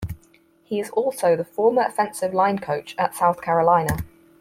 He is also the former offensive line coach at South Carolina.